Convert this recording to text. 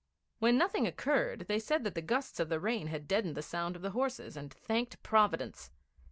When nothing occurred, they said that the gusts of the rain had deadened the sound of the horses, and thanked Providence.